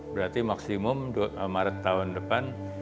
berarti maksimum maret tahun depan